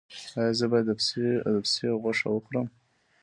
ایا زه باید د پسې غوښه وخورم؟